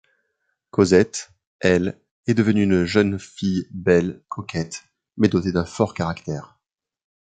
Cosette, elle, est devenue une jeune fille belle, coquette, mais dotée d'un fort caractère.